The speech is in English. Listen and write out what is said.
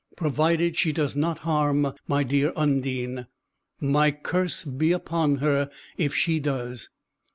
Provided she does not harm my dear Undine! My curse be upon her if she does."